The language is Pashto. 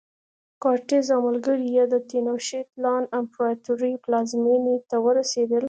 کورټز او ملګري یې د تینوشیت لان امپراتورۍ پلازمېنې ته ورسېدل.